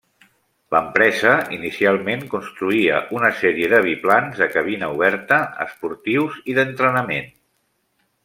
L'empresa inicialment construïa una sèrie de biplans de cabina oberta esportius i d'entrenament.